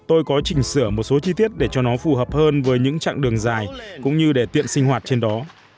tôi có chỉnh sửa một số chi tiết để cho nó phù hợp hơn với những chặng đường dài cũng như để tiện sinh hoạt trên đó